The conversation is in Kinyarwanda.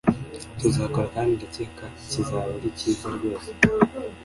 tuzakora kandi ndakeka kizaba ari kiza rwose